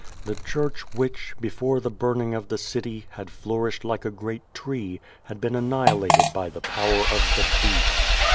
The Church which, before the burning of the city, had flourished like a great tree, had been annihilated by the power of the "Beast."